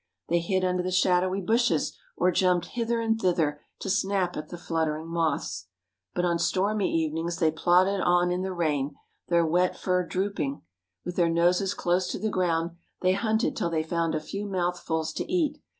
They hid under the shadowy bushes or jumped hither and thither to snap at the fluttering moths. But on stormy evenings they plodded on in the rain, their wet fur drooping. With their noses close to the ground they hunted till they found a few mouthfuls to eat.